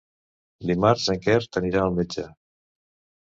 Dimarts en Quer anirà al metge.